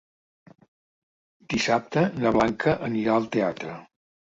Dissabte na Blanca anirà al teatre.